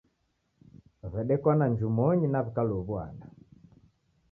W'edekwana njumonyi na w'ikalow'uana.